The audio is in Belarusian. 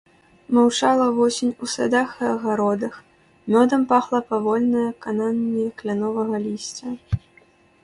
Маўчала восень у садах і агародах, мёдам пахла павольнае кананне кляновага лісця.